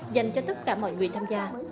dành cho tất cả mọi người tham gia